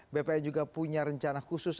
bpn juga punya rencana khusus